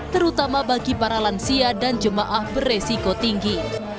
terutama bagi para lansia dan jemaah beresiko tinggi